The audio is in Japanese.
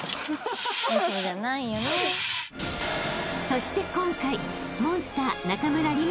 ［そして今回モンスター中村輪